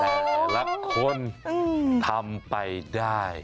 แต่ละคนทำไปได้